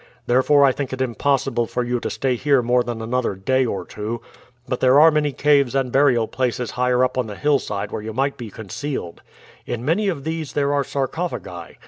Therefore I think it impossible for you to stay here more than another day or two; but there are many caves and burial places higher up on the hillside where you might be concealed. In many of these there are sarcophagi.